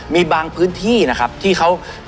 มีบางพื้นที่นะครับที่เขา